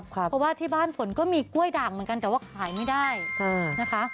เพราะว่าที่บ้านฝนก็มีกล้วยด่างเหมือนกันแต่ว่าขายไม่ได้นะคะ